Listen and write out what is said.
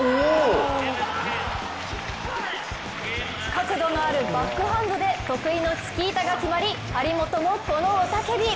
角度のあるバックハンドで得意の突き板が決まり、張本も、この雄たけび。